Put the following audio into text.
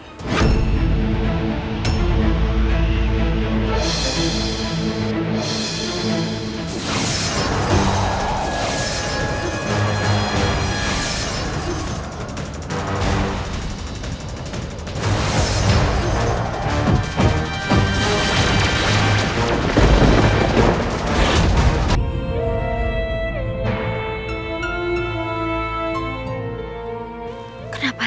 tidak ada yang menang